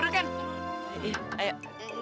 tangan duduk ken